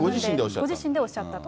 ご自身でおっしゃったと。